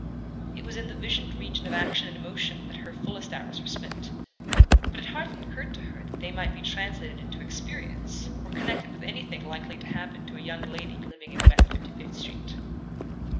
It was in the visioned region of action and emotion that her fullest hours were spent; but it hardly occurred to her that they might be translated into experience, or connected with anything likely to happen to a young lady living in West Fifty fifth Street.